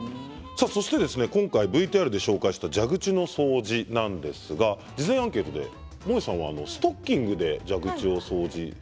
今回、ＶＴＲで紹介した蛇口の掃除なんですが事前アンケートで、もえさんはストッキングで蛇口を掃除。